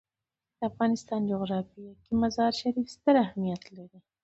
د افغانستان جغرافیه کې مزارشریف ستر اهمیت لري.